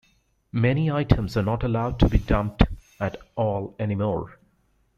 Many items are not allowed to be dumped at all anymore.